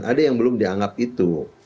ada yang belum dianggap itu